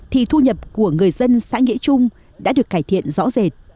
thì thu nhập của người dân xã nghĩa trung đã được cải thiện rõ rệt